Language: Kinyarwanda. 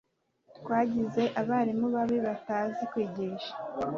twagize abarimu babi batazi kwigisha